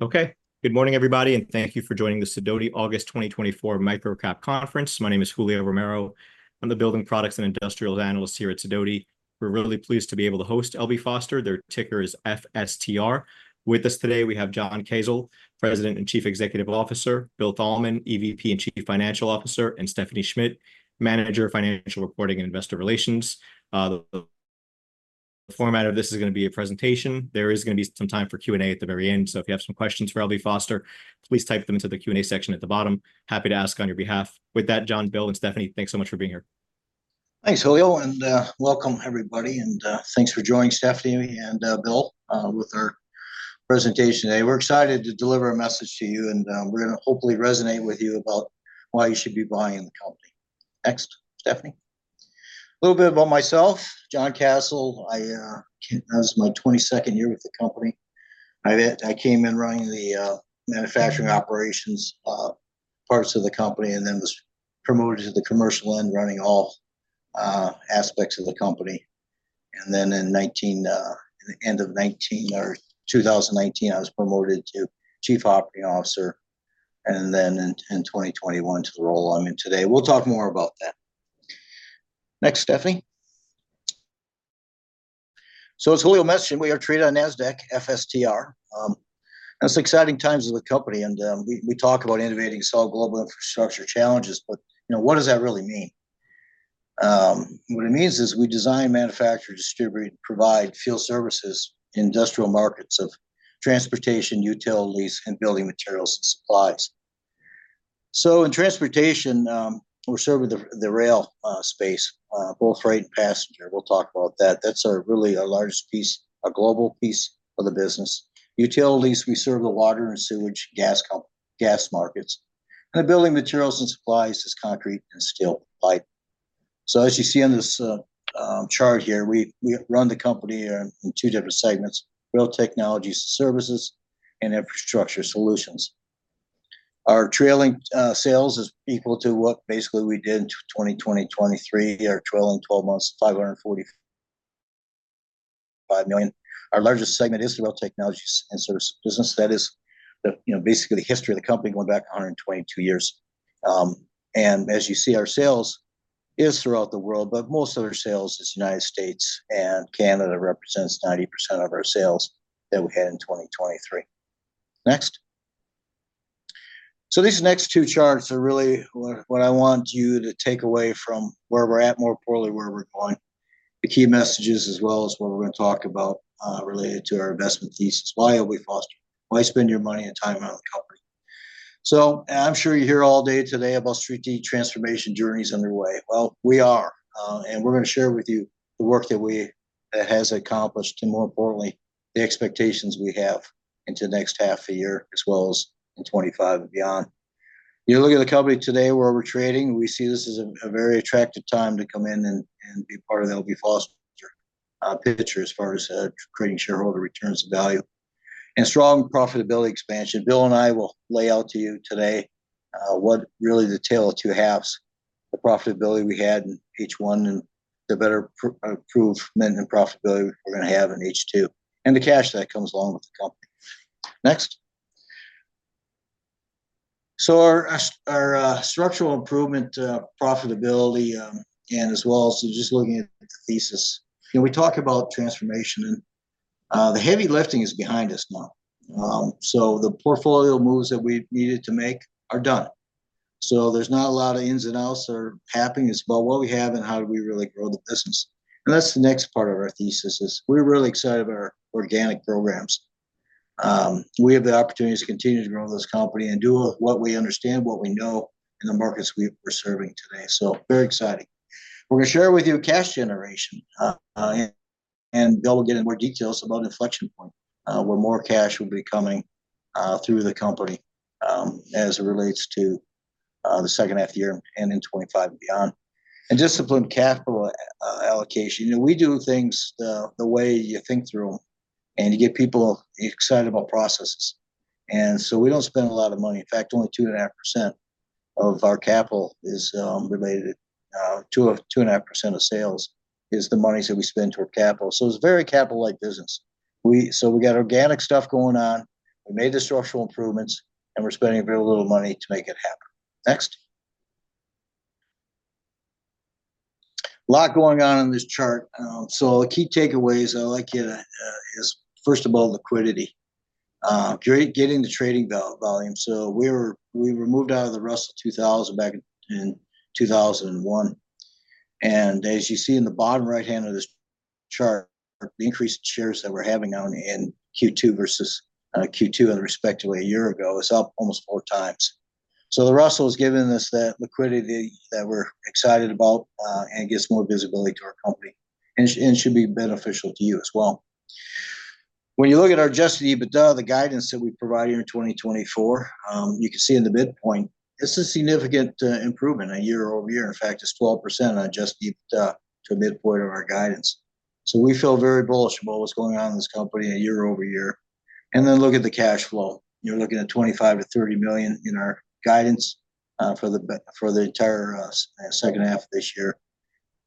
Okay. Good morning, everybody, and thank you for joining the Sidoti August 2024 MicroCap Conference. My name is Julio Romero. I'm the building products and industrials analyst here at Sidoti. We're really pleased to be able to host L.B. Foster. Their ticker is FSTR. With us today, we have John Kasel, President and Chief Executive Officer, Bill Thalman, EVP and Chief Financial Officer, and Stephanie Schmidt, Manager of Financial Reporting and Investor Relations. The format of this is gonna be a presentation. There is gonna be some time for Q&A at the very end, so if you have some questions for L.B. Foster, please type them into the Q&A section at the bottom. Happy to ask on your behalf. With that, John, Bill, and Stephanie, thanks so much for being here. Thanks, Julio, and welcome, everybody, and thanks for joining Stephanie and Bill with our presentation today. We're excited to deliver a message to you, and we're gonna hopefully resonate with you about why you should be buying the company. Next, Stephanie. A little bit about myself, John Kasel. I, this is my 22nd year with the company. I came in running the manufacturing operations, parts of the company and then was promoted to the commercial end, running all aspects of the company. And then in the end of 19, or 2019, I was promoted to Chief Operating Officer, and then in 2021, to the role I'm in today. We'll talk more about that. Next, Stephanie. So as Julio mentioned, we are traded on NASDAQ, FSTR. It's exciting times with the company, and we talk about innovating to solve global infrastructure challenges, but you know, what does that really mean? What it means is we design, manufacture, distribute, and provide field services in industrial markets of transportation, utilities, and building materials and supplies. So in transportation, we serve the rail space, both freight and passenger. We'll talk about that. That's really our largest piece, our global piece of the business. Utilities, we serve the water and sewage, gas markets, and the building materials and supplies is concrete and steel pipe. So as you see on this chart here, we run the company in two different segments: Rail Technologies and Services and Infrastructure Solutions. Our trailing sales is equal to what basically we did in 2023. Our trailing twelve months, $545 million. Our largest segment is Rail Technologies and Services business. That is the, you know, basically the history of the company going back 122 years. And as you see, our sales is throughout the world, but most of our sales is United States, and Canada represents 90% of our sales that we had in 2023. Next. So these next two charts are really what I want you to take away from where we're at, more importantly, where we're going. The key messages as well as what we're gonna talk about related to our investment thesis. Why L.B. Foster? Why spend your money and time on the company? So I'm sure you hear all day today about strategic transformation journeys underway. Well, we are, and we're gonna share with you the work that we... that has accomplished and, more importantly, the expectations we have into the next half a year as well as in 2025 and beyond. You look at the company today, where we're trading. We see this as a very attractive time to come in and be part of the L.B. Foster picture as far as creating shareholder returns to value and strong profitability expansion. Bill and I will lay out to you today what really the tale of two halves, the profitability we had in H1 and the better improvement in profitability we're gonna have in H2, and the cash that comes along with the company. Next. So our structural improvement profitability and as well as just looking at the thesis, you know, we talk about transformation, and the heavy lifting is behind us now. So the portfolio moves that we've needed to make are done, so there's not a lot of ins and outs or happenings, but what we have and how do we really grow the business? And that's the next part of our thesis, is we're really excited about our organic programs. We have the opportunity to continue to grow this company and do what we understand, what we know in the markets we're serving today, so very exciting. We're gonna share with you cash generation, and Bill will get into more details about inflection point, where more cash will be coming through the company, as it relates to the second half year and in 2025 and beyond. And disciplined capital allocation, you know, we do things the way you think through them, and you get people excited about processes. And so we don't spend a lot of money. In fact, only 2.5% of our capital is related... 2.5% of sales is the monies that we spend toward capital. So it's a very capital-light business. So we got organic stuff going on, we made the structural improvements, and we're spending very little money to make it happen. Next. A lot going on in this chart. So the key takeaways I'd like to is, first of all, liquidity. Getting the trading volume. So we were moved out of the Russell 2000 back in 2001, and as you see in the bottom right-hand of this chart, the increased shares that we're having in Q2 versus Q2, respectively, a year ago, is up almost four times. So the Russell has given us that liquidity that we're excited about, and gets more visibility to our company, and it, and should be beneficial to you as well. When you look at our Adjusted EBITDA, the guidance that we provided in 2024, you can see in the midpoint, this is a significant improvement on year-over-year. In fact, it's 12% on Adjusted EBITDA to the midpoint of our guidance. So we feel very bullish about what's going on in this company on a year-over-year. And then look at the cash flow. You're looking at $25 million-$30 million in our guidance for the entire second half of this year,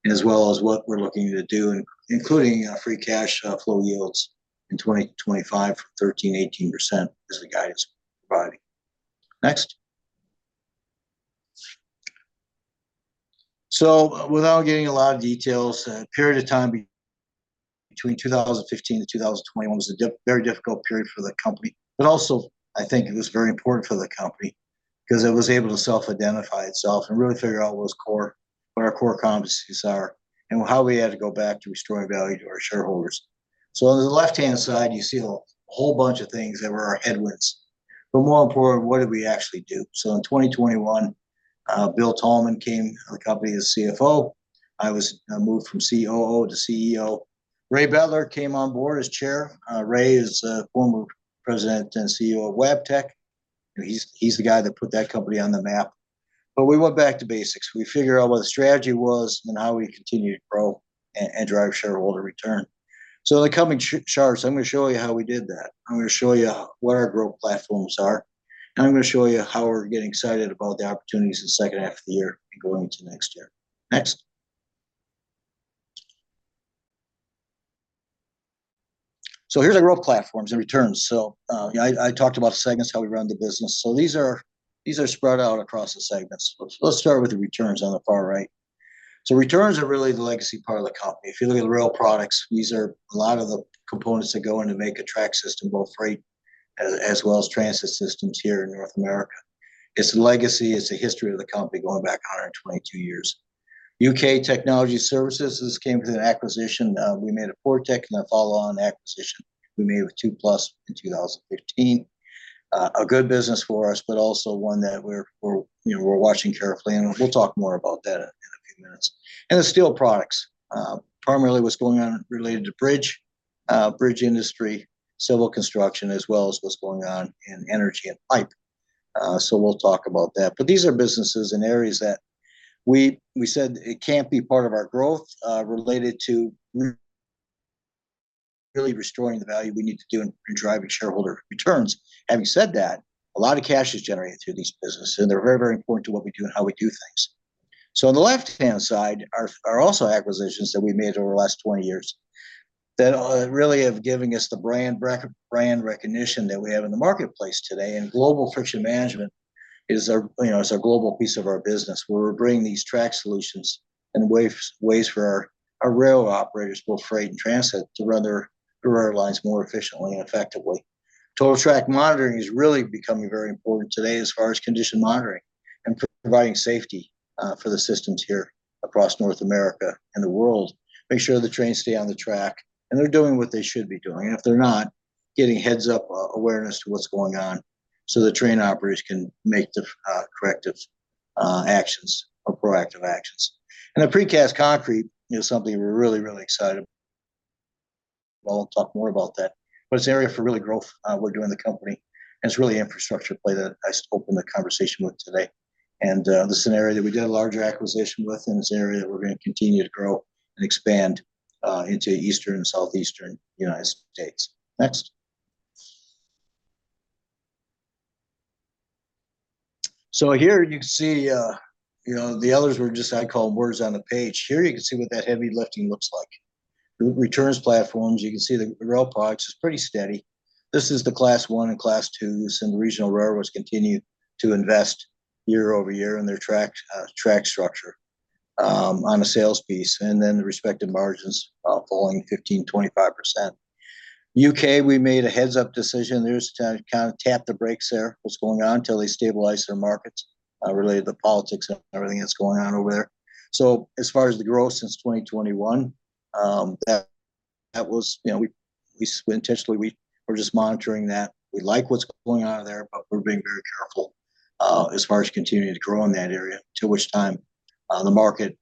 as well as what we're looking to do, including free cash flow yields in 2025, 13%-18% is the guidance we're providing. Next. So without getting a lot of details, a period of time between 2015 to 2021 was a very difficult period for the company. But also, I think it was very important for the company, 'cause it was able to self-identify itself and really figure out what was core, what our core competencies are, and how we had to go back to restore value to our shareholders. So on the left-hand side, you see a whole bunch of things that were our headwinds. But more important, what did we actually do? So in 2021, Bill Thalman came on the company as CFO. I was moved from COO to CEO. Ray Betler came on board as chair. Ray is a former president and CEO of Wabtec, and he's, he's the guy that put that company on the map. But we went back to basics. We figured out what the strategy was and how we continue to grow and drive shareholder return. So in the coming charts, I'm gonna show you how we did that. I'm gonna show you what our growth platforms are, and I'm gonna show you how we're getting excited about the opportunities in the second half of the year and going into next year. Next. So here's our growth platforms and returns. So, you know, I talked about segments, how we run the business. So these are, these are spread out across the segments. Let's start with the returns on the far right. So returns are really the legacy part of the company. If you look at the rail products, these are a lot of the components that go in to make a track system, both freight, as well as transit systems here in North America. It's a legacy, it's a history of the company going back 122 years. U.K. Technology Services, this came through the acquisition. We made a Portec and a follow-on acquisition we made with TEW Plus in 2015. A good business for us, but also one that we're, you know, we're watching carefully, and we'll talk more about that in a few minutes. The steel products. Primarily what's going on related to bridge industry, civil construction, as well as what's going on in energy and pipe. So we'll talk about that. But these are businesses in areas that we, we said it can't be part of our growth, related to really restoring the value we need to do in, in driving shareholder returns. Having said that, a lot of cash is generated through these businesses, and they're very, very important to what we do and how we do things. So on the left-hand side are, are also acquisitions that we've made over the last 20 years, that are really have given us the brand recognition that we have in the marketplace today, and Global Friction Management is a, you know, is a global piece of our business, where we're bringing these track solutions and ways for our, our rail operators, both freight and transit, to run their, their rail lines more efficiently and effectively. Total Track Monitoring is really becoming very important today as far as condition monitoring and providing safety for the systems here across North America and the world. Make sure the trains stay on the track, and they're doing what they should be doing. And if they're not, getting heads-up awareness to what's going on, so the train operators can make the corrective actions or proactive actions. And the precast concrete, you know, something we're really, really excited. Well, I'll talk more about that, but it's an area for really growth we do in the company, and it's really infrastructure play that I opened the conversation with today. And the scenario that we did a larger acquisition with in this area, we're gonna continue to grow and expand into Eastern and Southeastern United States. Next. So here you can see, you know, the others were just, I call them words on a page. Here you can see what that heavy lifting looks like. The returns platforms, you can see the rail products is pretty steady. This is the Class I and Class II, and the regional railroads continue to invest year-over-year in their track, track structure, on a sales piece, and then the respective margins, falling 15%-25%. U.K., we made a heads-up decision there just to kind of tap the brakes there, what's going on, till they stabilize their markets, related to the politics and everything that's going on over there. So as far as the growth since 2021, that, that was... You know, we, we intentionally, we're just monitoring that. We like what's going on there, but we're being very careful as far as continuing to grow in that area, till which time the market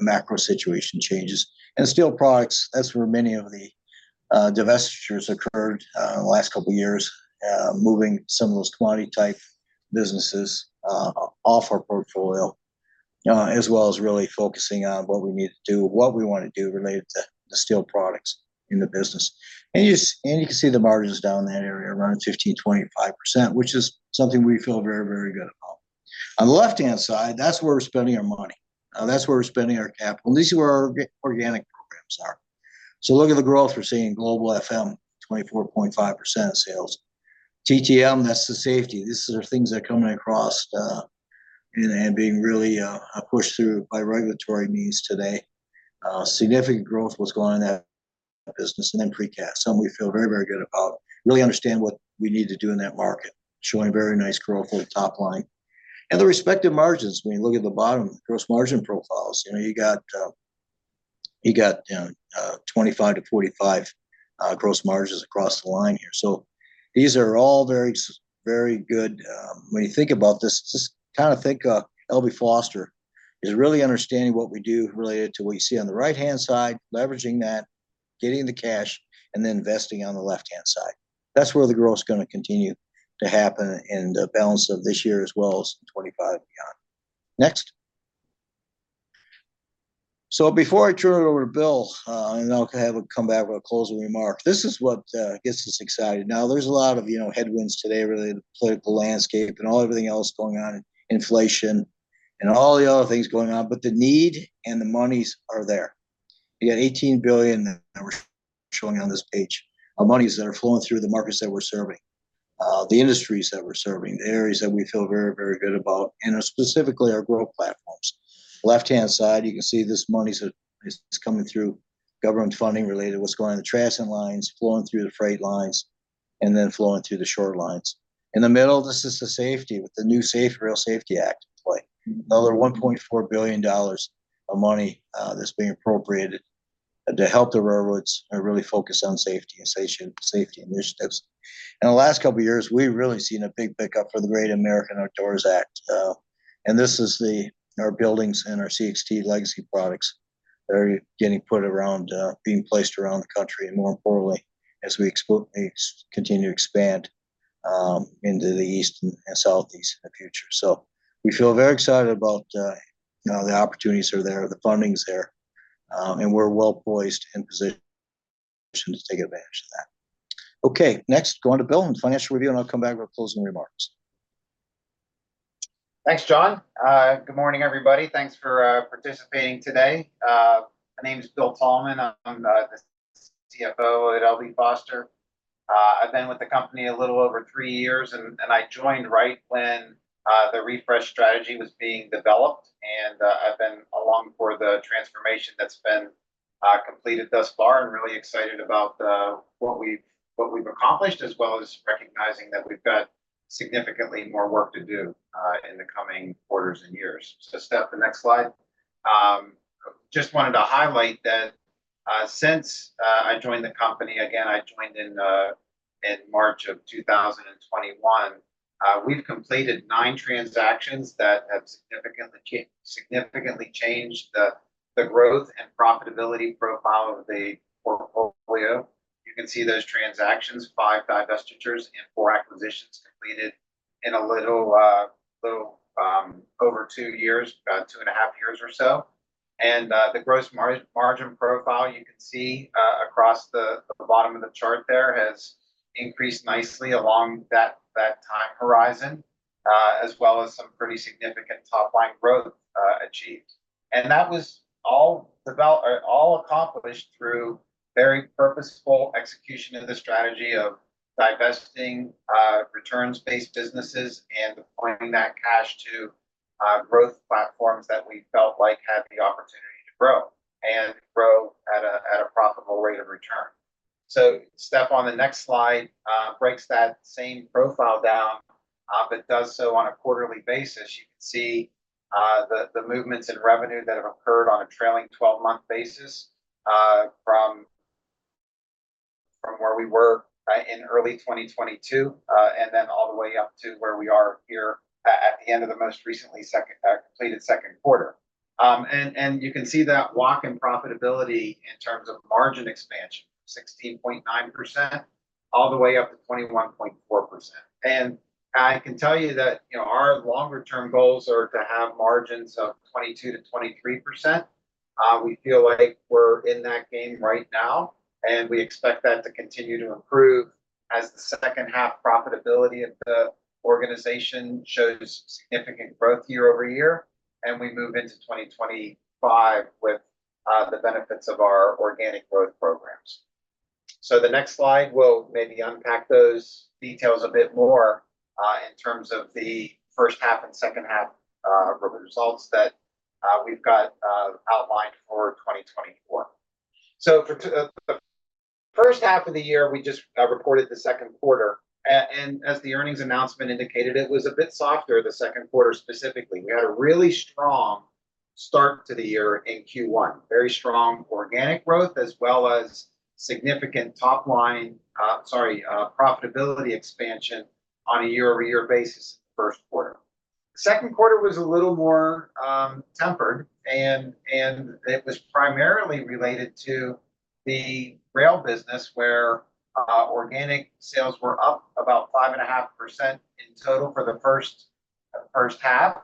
macro situation changes. And steel products, is where many of the divestitures occurred in the last couple of years, moving some of those commodity-type businesses off our portfolio, as well as really focusing on what we need to do, what we want to do related to the steel products in the business. And you can see the margins down in that area around 15%-25%, which is something we feel very, very good about. On the left-hand side, that's where we're spending our money. That's where we're spending our capital. This is where our organic programs are. So look at the growth we're seeing in Global FM, 24.5% of sales. TTM, that's the safety. These are things that are coming across, and being really a push through by regulatory needs today. Significant growth what's going on in that business, and then precast, something we feel very, very good about. Really understand what we need to do in that market, showing very nice growth on the top line. And the respective margins, when you look at the bottom, gross margin profiles, you know, you got, you got, you know, 25%-45% gross margins across the line here. So these are all very good. When you think about this, just kind of think of L.B. Foster is really understanding what we do related to what you see on the right-hand side, leveraging that, getting the cash, and then investing on the left-hand side. That's where the growth is gonna continue to happen in the balance of this year, as well as in 2025 and beyond. Next. So before I turn it over to Bill, and I'll have him come back with a closing remark, this is what gets us excited. Now, there's a lot of, you know, headwinds today related to the political landscape and all everything else going on, and inflation, and all the other things going on, but the need and the monies are there. You got $18 billion that we're showing on this page, of monies that are flowing through the markets that we're serving, the industries that we're serving, the areas that we feel very, very good about, and specifically our growth platforms. Left-hand side, you can see this money is coming through government funding related to what's going on in the transit lines, flowing through the freight lines, and then flowing through the short lines. In the middle, this is the safety, with the new Rail Safety Act in play. Another $1.4 billion of money that's being appropriated to help the railroads really focus on safety and safety, safety initiatives. In the last couple of years, we've really seen a big pickup for the Great American Outdoors Act, and this is our buildings and our CXT legacy products that are getting put around, being placed around the country, and more importantly, as we continue to expand into the east and southeast in the future. So we feel very excited about, you know, the opportunities are there, the funding's there, and we're well poised and positioned to take advantage of that. Okay, next, go on to Bill and financial review, and I'll come back with closing remarks. Thanks, John. Good morning, everybody. Thanks for participating today. My name is Bill Thalman. I'm the CFO at L.B. Foster. I've been with the company a little over three years, and I joined right when the refresh strategy was being developed, and I've been along for the transformation that's been completed thus far. I'm really excited about what we've accomplished, as well as recognizing that we've got significantly more work to do in the coming quarters and years. So Steph, the next slide. Just wanted to highlight that since I joined the company, again, I joined in March 2021, we've completed nine transactions that have significantly changed the growth and profitability profile of the portfolio. You can see those transactions, five divestitures and four acquisitions completed in a little over two years, about two and a half years or so. And the gross margin profile, you can see, across the bottom of the chart there, has increased nicely along that time horizon, as well as some pretty significant top-line growth achieved. And that was all accomplished through very purposeful execution of the strategy of divesting returns-based businesses and deploying that cash to growth platforms that we felt like had the opportunity to grow, and grow at a profitable rate of return. So Steph, on the next slide, breaks that same profile down, but does so on a quarterly basis. You can see the movements in revenue that have occurred on a trailing-twelve-month basis, from where we were in early 2022, and then all the way up to where we are here, at the end of the most recently completed second quarter. And you can see that walk and profitability in terms of margin expansion, 16.9%, all the way up to 21.4%. And I can tell you that, you know, our longer-term goals are to have margins of 22%-23%. We feel like we're in that game right now, and we expect that to continue to improve as the second-half profitability of the organization shows significant growth year-over-year, and we move into 2025 with the benefits of our organic growth programs. So the next slide will maybe unpack those details a bit more, in terms of the first half and second half, results that we've got outlined for 2024. So for the first half of the year, we just reported the second quarter, and as the earnings announcement indicated, it was a bit softer, the second quarter specifically. We had a really strong start to the year in Q1. Very strong organic growth, as well as significant top line, sorry, profitability expansion on a year-over-year basis, first quarter. Second quarter was a little more tempered, and it was primarily related to the rail business, where organic sales were up about 5.5% in total for the first half.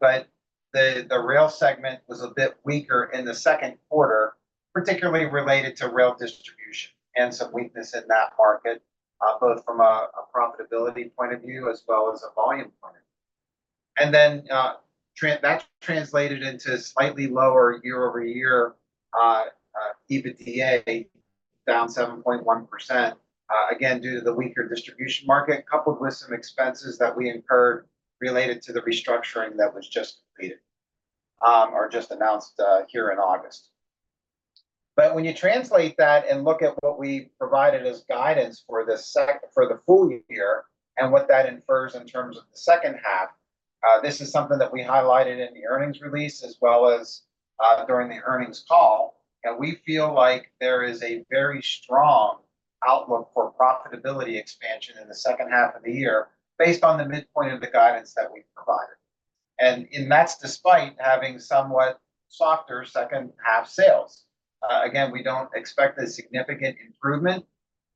But the rail segment was a bit weaker in the second quarter, particularly related to rail distribution and some weakness in that market, both from a profitability point of view as well as a volume point of view. And then, that translated into slightly lower year-over-year EBITDA, down 7.1%, again, due to the weaker distribution market, coupled with some expenses that we incurred related to the restructuring that was just completed, or just announced, here in August. But when you translate that and look at what we provided as guidance for the full year, and what that infers in terms of the second half, this is something that we highlighted in the earnings release as well as during the earnings call, that we feel like there is a very strong outlook for profitability expansion in the second half of the year, based on the midpoint of the guidance that we provided. And that's despite having somewhat softer second-half sales. Again, we don't expect a significant improvement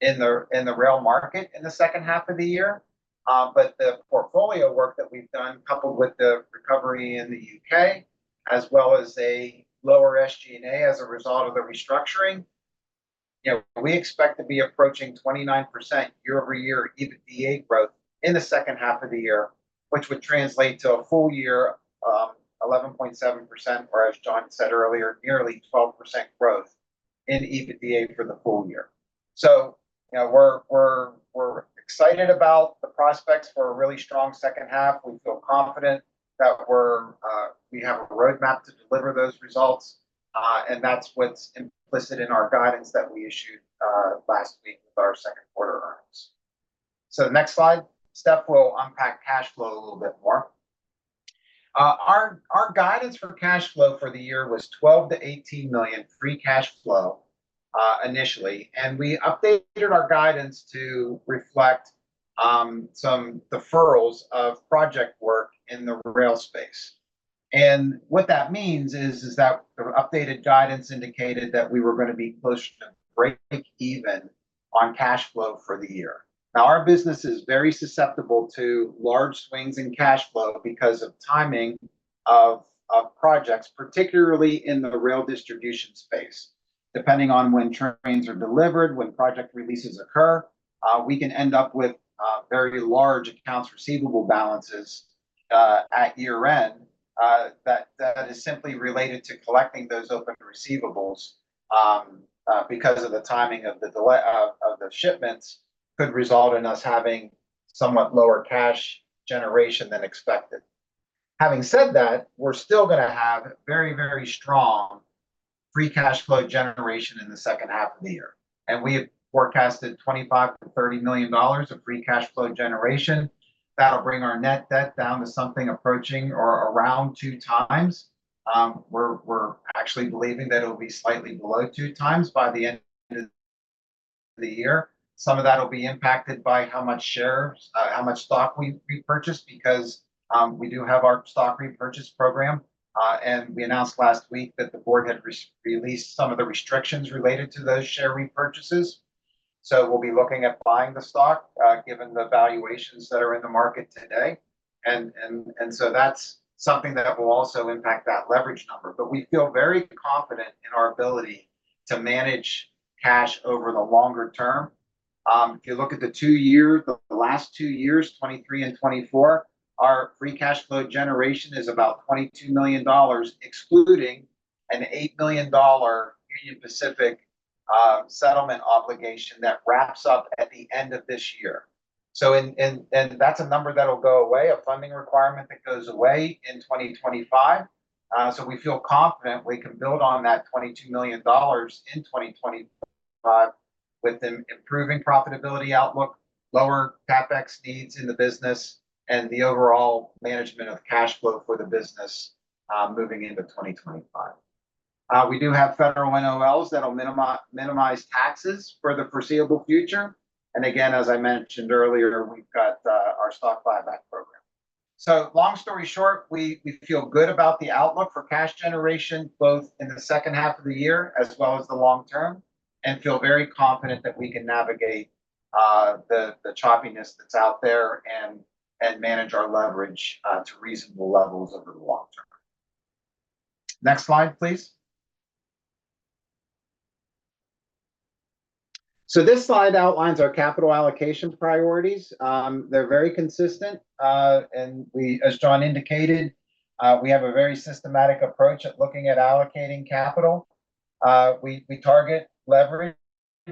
in the rail market in the second half of the year, but the portfolio work that we've done, coupled with the recovery in the U.K., as well as a lower SG&A as a result of the restructuring-... You know, we expect to be approaching 29% year-over-year EBITDA growth in the second half of the year, which would translate to a full year, eleven point seven percent, or as John said earlier, nearly twelve percent growth in EBITDA for the full year. So, you know, we're excited about the prospects for a really strong second half. We feel confident that we're we have a roadmap to deliver those results, and that's what's implicit in our guidance that we issued last week with our second quarter earnings. So next slide. Steph will unpack cash flow a little bit more. Our guidance for cash flow for the year was $12 million-$18 million free cash flow, initially, and we updated our guidance to reflect some deferrals of project work in the rail space. What that means is, is that the updated guidance indicated that we were gonna be pushed to break even on cash flow for the year. Now, our business is very susceptible to large swings in cash flow because of timing of, of projects, particularly in the rail distribution space. Depending on when trains are delivered, when project releases occur, we can end up with very large accounts receivable balances at year-end that, that is simply related to collecting those open receivables because of the timing of the delay of, of the shipments, could result in us having somewhat lower cash generation than expected. Having said that, we're still gonna have very, very strong free cash flow generation in the second half of the year, and we have forecasted $25 million-$30 million of free cash flow generation. That'll bring our net debt down to something approaching or around two times. We're actually believing that it'll be slightly below two times by the end of the year. Some of that will be impacted by how much shares, how much stock we've repurchased, because we do have our stock repurchase program. And we announced last week that the board had released some of the restrictions related to those share repurchases. So we'll be looking at buying the stock, given the valuations that are in the market today. And so that's something that will also impact that leverage number. But we feel very confident in our ability to manage cash over the longer term. If you look at the two years, the last two years, 2023 and 2024, our free cash flow generation is about $22 million, excluding an $8 million Union Pacific settlement obligation that wraps up at the end of this year. So that's a number that'll go away, a funding requirement that goes away in 2025. So we feel confident we can build on that $22 million in 2025, with the improving profitability outlook, lower CapEx needs in the business, and the overall management of cash flow for the business, moving into 2025. We do have federal NOLs that'll minimize taxes for the foreseeable future, and again, as I mentioned earlier, we've got our stock buyback program. So long story short, we feel good about the outlook for cash generation, both in the second half of the year as well as the long term, and feel very confident that we can navigate the choppiness that's out there and manage our leverage to reasonable levels over the long term. Next slide, please. So this slide outlines our capital allocation priorities. They're very consistent, and we, as John indicated, have a very systematic approach at looking at allocating capital. We target leverage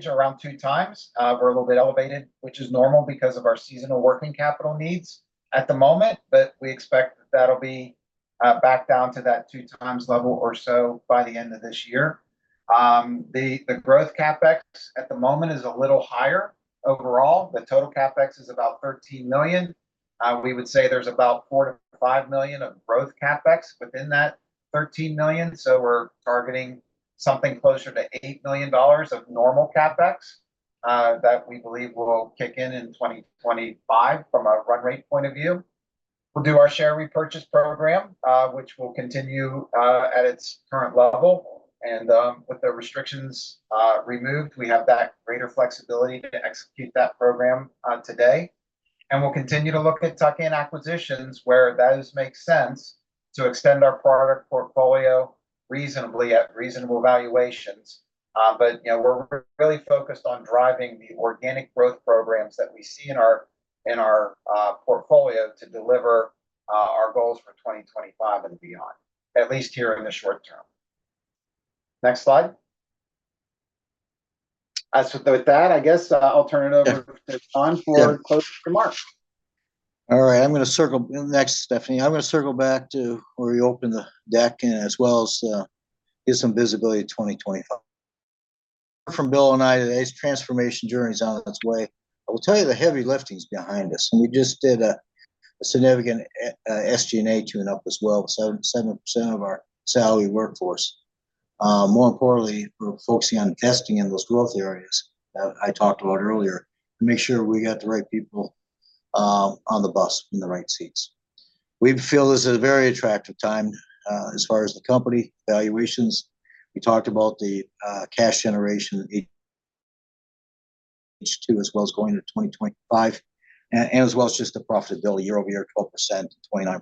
around two times. We're a little bit elevated, which is normal because of our seasonal working capital needs at the moment, but we expect that'll be back down to that two times level or so by the end of this year. The growth CapEx at the moment is a little higher. Overall, the total CapEx is about $13 million. We would say there's about $4 million-$5 million of growth CapEx within that $13 million, so we're targeting something closer to $8 million of normal CapEx, that we believe will kick in in 2025 from a run rate point of view. We'll do our share repurchase program, which will continue, at its current level, and, with the restrictions removed, we have that greater flexibility to execute that program today. We'll continue to look at tuck-in acquisitions where those make sense to extend our product portfolio reasonably at reasonable valuations. But, you know, we're really focused on driving the organic growth programs that we see in our portfolio to deliver our goals for 2025 and beyond, at least here in the short term. Next slide. So with that, I guess, I'll turn it over to John- Yeah - for closing remarks. All right. Thanks, Stephanie. I'm gonna circle back to where we opened the deck, and as well as give some visibility to 2025. From Bill and I today, the transformation journey is on its way. I will tell you, the heavy lifting is behind us, and we just did a significant SG&A tune-up as well, so 7% of our salary workforce. More importantly, we're focusing on investing in those growth areas that I talked about earlier to make sure we got the right people on the bus in the right seats. We feel this is a very attractive time as far as the company valuations. We talked about the cash generation H2, as well as going to 2025, and as well as just the profitability year-over-year, 12%, 29%,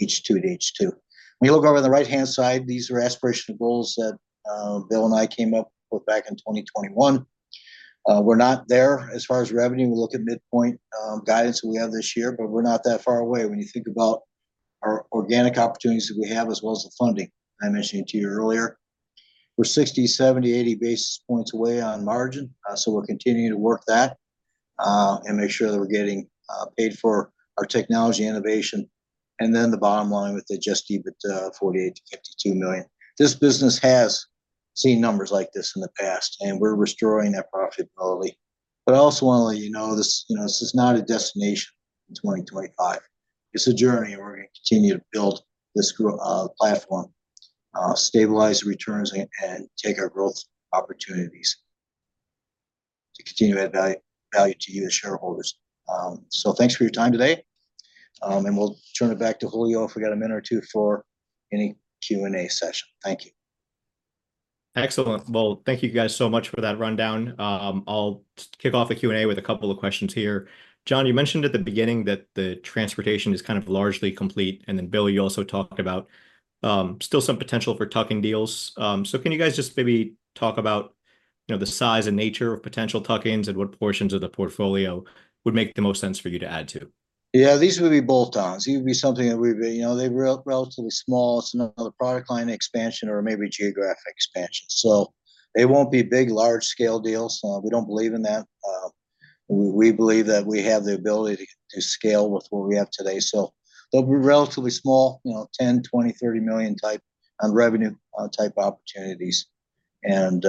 H2 to H2. When you look over on the right-hand side, these are aspirational goals that, Bill and I came up with back in 2021. We're not there as far as revenue. We look at midpoint, guidance we have this year, but we're not that far away when you think about our organic opportunities that we have, as well as the funding I mentioned to you earlier. We're 60, 70, 80 basis points away on margin, so we're continuing to work that, and make sure that we're getting, paid for our technology innovation. And then the bottom line with the Adjusted EBITDA, $48-$52 million. This business has seen numbers like this in the past, and we're restoring that profitability. But I also want to let you know, this, you know, this is not a destination in 2025. It's a journey, and we're gonna continue to build this growth platform, stabilize returns, and take our growth opportunities to continue to add value to you, the shareholders. So thanks for your time today, and we'll turn it back to Julio if we got a minute or two for any Q&A session. Thank you. Excellent. Well, thank you guys so much for that rundown. I'll kick off the Q&A with a couple of questions here. John, you mentioned at the beginning that the transportation is kind of largely complete, and then Bill, you also talked about, still some potential for tuck-in deals. So can you guys just maybe talk about, you know, the size and nature of potential tuck-ins, and what portions of the portfolio would make the most sense for you to add to? Yeah, these would be bolt-ons. It would be something that we've... You know, they're relatively small. It's another product line expansion or maybe geographic expansion. So they won't be big, large-scale deals. We don't believe in that. We believe that we have the ability to scale with what we have today. So they'll be relatively small, you know, $10 million, $20 million, $30 million type of revenue, type opportunities, and,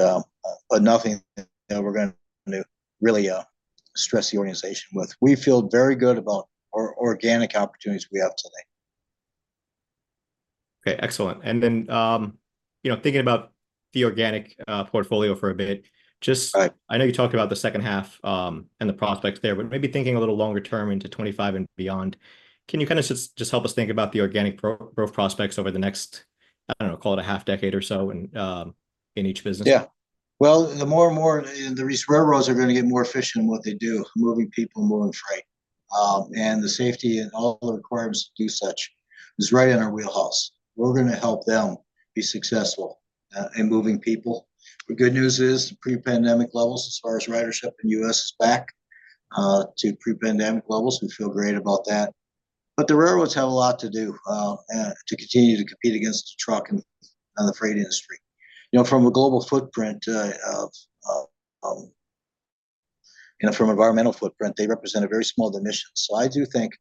but nothing that we're going to really stress the organization with. We feel very good about our organic opportunities we have today. Okay, excellent. And then, you know, thinking about the organic portfolio for a bit, just- Right... I know you talked about the second half, and the prospects there, but maybe thinking a little longer term into 2025 and beyond, can you kind of just help us think about the organic growth prospects over the next, I don't know, call it a half decade or so, and in each business? Yeah. Well, the more and more, and these railroads are gonna get more efficient in what they do, moving people, moving freight. And the safety and all the requirements to do such is right in our wheelhouse. We're gonna help them be successful in moving people. The good news is, pre-pandemic levels as far as ridership in the U.S. is back to pre-pandemic levels. We feel great about that. But the railroads have a lot to do to continue to compete against the truck and the freight industry. You know, from a global footprint, you know, from an environmental footprint, they represent a very small dimension. So I do think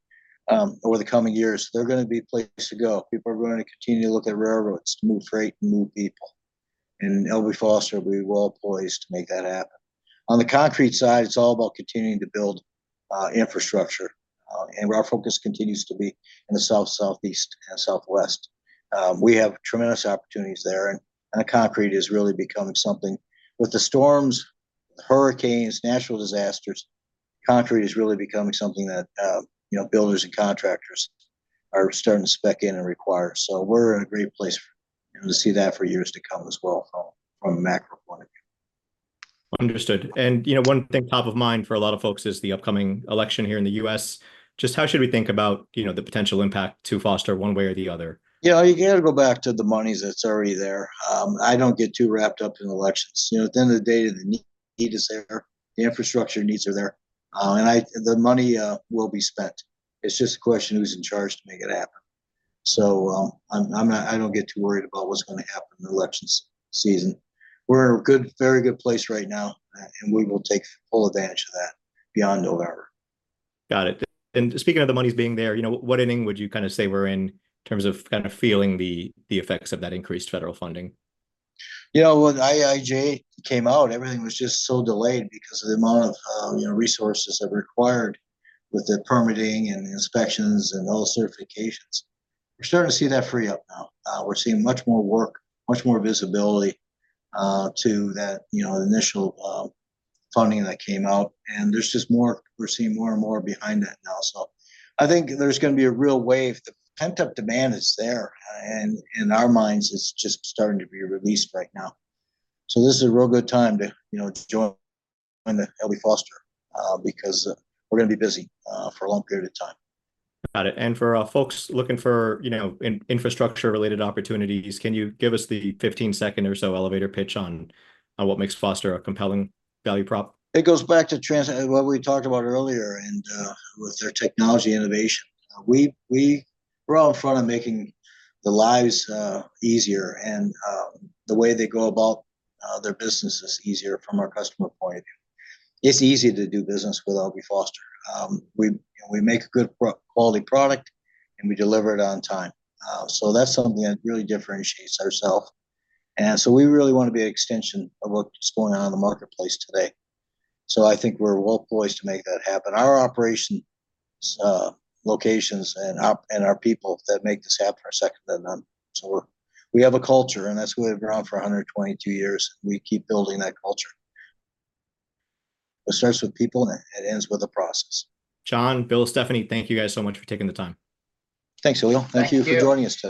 over the coming years, they're gonna be places to go. People are gonna continue to look at railroads to move freight and move people, and L.B. Foster will be well-poised to make that happen. On the concrete side, it's all about continuing to build infrastructure, and our focus continues to be in the south, southeast, and southwest. We have tremendous opportunities there, and concrete is really becoming something. With the storms, hurricanes, natural disasters, concrete is really becoming something that, you know, builders and contractors are starting to spec in and require. So we're in a great place, you know, to see that for years to come as well from a macroeconomic view. Understood. And, you know, one thing top of mind for a lot of folks is the upcoming election here in the U.S. Just how should we think about, you know, the potential impact to Foster one way or the other? Yeah, you gotta go back to the monies that's already there. I don't get too wrapped up in elections. You know, at the end of the day, the need, the need is there, the infrastructure needs are there, and The money will be spent. It's just a question of who's in charge to make it happen. So, I don't get too worried about what's gonna happen in election season. We're in a good, very good place right now, and we will take full advantage of that beyond November. Got it. And speaking of the monies being there, you know, what inning would you kind of say we're in, in terms of kind of feeling the effects of that increased federal funding? You know, when IIJA came out, everything was just so delayed because of the amount of, you know, resources that are required with the permitting and the inspections and all the certifications. We're starting to see that free up now. We're seeing much more work, much more visibility, to that, you know, initial, funding that came out, and there's just more and more behind that now. So I think there's gonna be a real wave. The pent-up demand is there, and in our minds, it's just starting to be released right now. So this is a real good time to, you know, join the L.B. Foster, because, we're gonna be busy, for a long period of time. Got it. And for folks looking for, you know, infrastructure-related opportunities, can you give us the 15-second or so elevator pitch on what makes Foster a compelling value prop? It goes back to what we talked about earlier, and with our technology innovation. We're out in front of making the lives easier and the way they go about their business is easier from a customer point of view. It's easy to do business with L.B. Foster. You know, we make a good quality product, and we deliver it on time. So that's something that really differentiates ourselves, and so we really want to be an extension of what's going on in the marketplace today, so I think we're well poised to make that happen. Our operation locations and our people that make this happen are second to none. So we have a culture, and that's what we've grown for 122 years. We keep building that culture. It starts with people, and it ends with a process. John, Bill, Stephanie, thank you guys so much for taking the time. Thanks, Julio. Thank you. Thank you for joining us today.